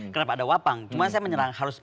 kenapa ada wapang cuma saya menyerang harus